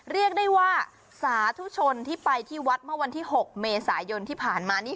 เรียกได้ว่าสาธุชนที่ไปที่วัดเมื่อวันที่๖เมษายนที่ผ่านมานี่